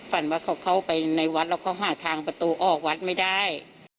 ฝันว่าเขาเข้าไปในวัดแล้วเขาหาทางประตูออกวัดไม่ได้